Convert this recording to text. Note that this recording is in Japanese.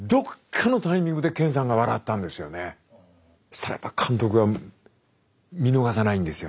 したらやっぱ監督は見逃さないんですよね。